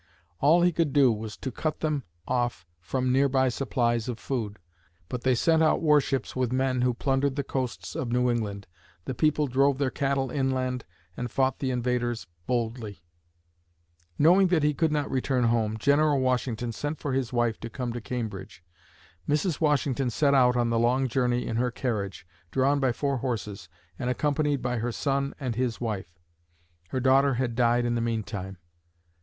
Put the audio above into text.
All he could do was to cut them off from nearby supplies of food, but they sent out warships with men who plundered the coasts of New England. The people drove their cattle inland and fought the invaders boldly. [Illustration: Mrs. Washington set out for Cambridge] Knowing that he could not return home, General Washington sent for his wife to come to Cambridge. Mrs. Washington set out on the long journey in her carriage, drawn by four horses, and accompanied by her son and his wife. (Her daughter had died in the meantime.)